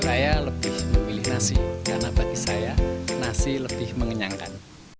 saya lebih memilih nasi karena bagi saya nasi lebih mengenyangkan